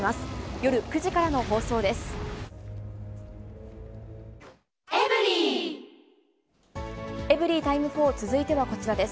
夜９時からの放送です。